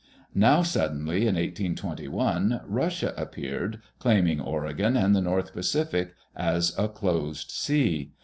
Now suddenly, in 1821, Russia appeared, claiming Oregon, and the North Pacific as a closed sea.